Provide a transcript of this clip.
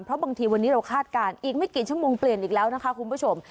เพราะบางทีวันนี้เราคาดการณ์อีกไม่กี่ชั่วโมงเปลี่ยนอีกแล้วนะคะคุณผู้ชม